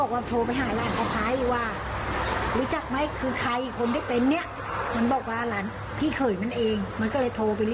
ขอแฟนเขารู้ว่า